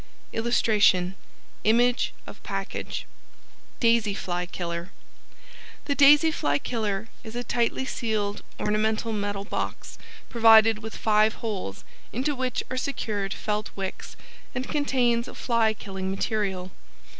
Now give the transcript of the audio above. [Illustration: Image of package.] DAISY FLY KILLER THE Daisy Fly Killer is a tightly sealed ornamental metal box provided with five holes, into which are secured felt wicks, and contains a fly killing material.